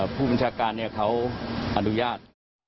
ผู้บัญชาการเขาอนุญาต